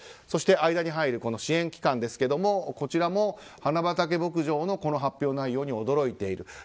そして、間に入る支援機関ですがこちらも花畑牧場のこの発表内容に驚いている。